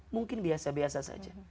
mungkin biasa biasa saja